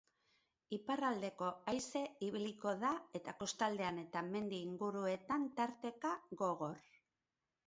Iparraldeko haize ibiliko da eta kostaldean eta mendi inguruetan tarteka, gogor.